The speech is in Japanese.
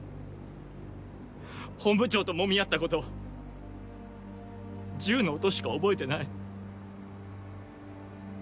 本部長ともみ合ったこと銃の音しか覚えてない。